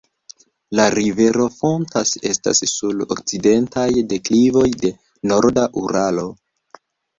La rivero fontas estas sur okcidentaj deklivoj de Norda Uralo.